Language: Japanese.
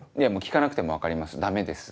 聞かなくても分かりますダメです。